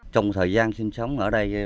trong thời gian sinh sống ở đây